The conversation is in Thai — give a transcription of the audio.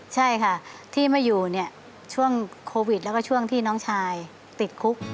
ใช่ค่ะที่มาอยู่เนี่ยช่วงโควิดแล้วก็ช่วงที่น้องชายติดคุก